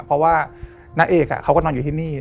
เพราะว่านางเอกเขาก็นอนอยู่ที่นี่